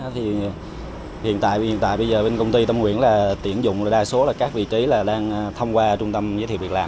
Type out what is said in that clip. thì hiện tại hiện tại bây giờ bên công ty tâm nguyễn là tuyển dụng đa số là các vị trí là đang thông qua trung tâm giới thiệu việc làm